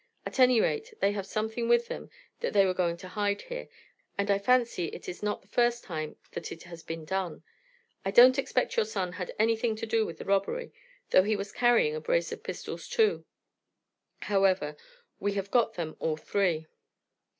At any rate, they have something with them that they were going to hide here, and I fancy it is not the first time that it has been done. I don't expect your son had anything to do with the robbery, though he was carrying a brace of pistols, too; however, we have got them all three.